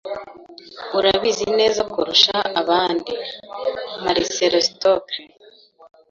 Urabizi neza kurusha abandi. (marcelostockle)